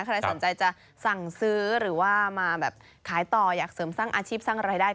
ใครสนใจจะสั่งซื้อหรือว่ามาแบบขายต่ออยากเสริมสร้างอาชีพสร้างรายได้